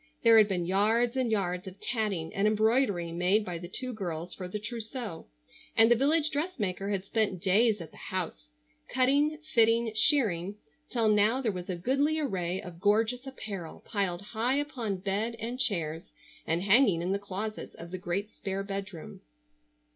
There had been yards and yards of tatting and embroidery made by the two girls for the trousseau, and the village dressmaker had spent days at the house, cutting, fitting, shirring, till now there was a goodly array of gorgeous apparel piled high upon bed, and chairs, and hanging in the closets of the great spare bedroom.